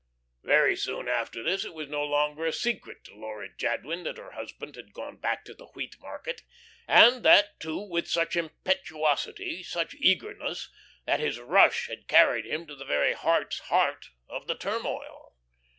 Very soon after this it was no longer a secret to Laura Jadwin that her husband had gone back to the wheat market, and that, too, with such impetuosity, such eagerness, that his rush had carried him to the very heart's heart of the turmoil.